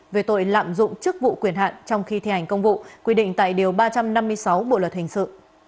về tội lạm dụng chức vụ quyền hạn trong khi thi hành công vụ quy định tại điều ba trăm năm mươi sáu bộ luật hình sự